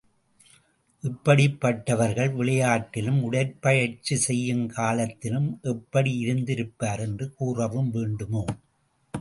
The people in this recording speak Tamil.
இப்படிப்பட்டவர்கள் விளையாட்டிலும் உடற்பயிற்சி செய்யுங் காலத்திலும் எப்படி இருந்திருப்பர் என்று கூறவும் வேண்டுமோ?